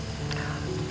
betul waktu sendiri aja